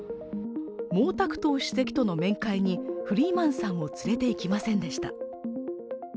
毛沢東主席との面会に、フリーマンさんを連れていきませんでした。